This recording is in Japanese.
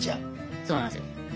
そうなんすよ。